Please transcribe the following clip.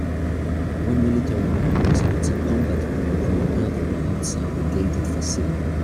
One military man executes a combat move on another outside a gated facility.